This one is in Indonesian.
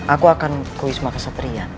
aku akan ke wisma kesatria